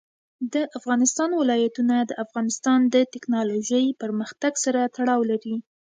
د افغانستان ولايتونه د افغانستان د تکنالوژۍ پرمختګ سره تړاو لري.